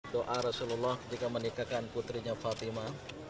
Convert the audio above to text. doa rasulullah ketika menikahkan putrinya fatima